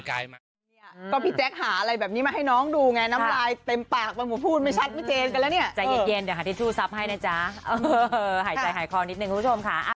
ก็พี่แจ๊คหาอะไรแบบนี้มาให้น้องดูไงน้ำลายเต็มปากไปหมดพูดไม่ชัดไม่เจนกันแล้วเนี่ยใจเย็นเดี๋ยวหาทิชชู่ซับให้นะจ๊ะหายใจหายคอนิดนึงคุณผู้ชมค่ะ